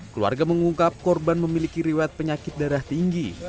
keluarga mengungkap korban memiliki riwat penyakit darah tinggi